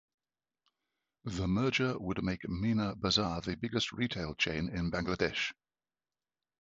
The merger would make Meena Bazar the biggest retail chain in Bangladesh.